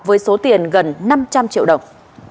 giữ số tiền gần năm trăm linh triệu đồng